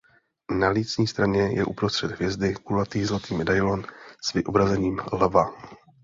Na lícní straně je uprostřed hvězdy kulatý zlatý medailon s vyobrazením lva.